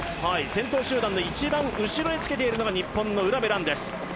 先頭集団の１番後につけているのが日本の卜部蘭です。